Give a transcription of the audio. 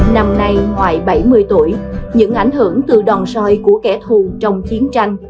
năm nay ngoài bảy mươi tuổi những ảnh hưởng từ đòn soi của kẻ thù trong chiến tranh